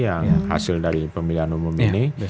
yang hasil dari pemilihan umum ini